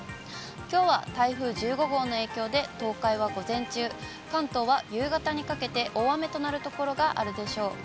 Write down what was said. きょうは台風１５号の影響で、東海は午前中、関東は夕方にかけて、大雨となる所があるでしょう。